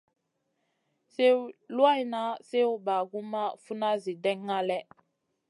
Sliw luwanŋa, sliw bagumʼma, funa, Zi ɗènŋa lèh.